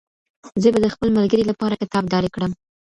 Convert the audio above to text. زه به د خپل ملګري لپاره کتاب ډالۍ کړم.